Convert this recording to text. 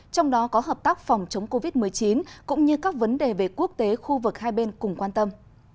trong đó có hợp tác phòng chống covid một mươi chín cũng như các vấn đề về quốc tế khu vực hai bên cùng quan tâm